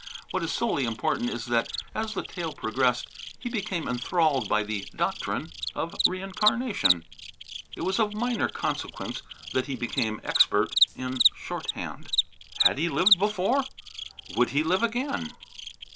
What is solely important is that, as the tale progressed, he became enthralled by the doctrine of reincarnation. It was of minor consequence that he became expert in shorthand. Had he lived before, would he live again?